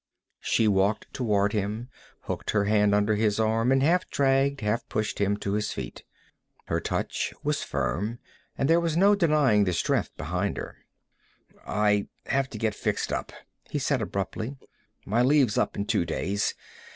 She walked toward him, hooked her hand under his arm, and half dragged, half pushed him to his feet. Her touch was firm, and there was no denying the strength behind her. "I have to get fixed up," he said abruptly. "My leave's up in two days.